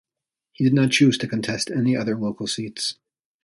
He did not choose to contest any other local seats.